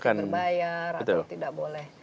plastik terbayar atau tidak boleh